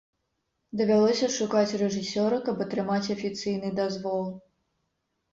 Давялося шукаць рэжысёра, каб атрымаць афіцыйны дазвол.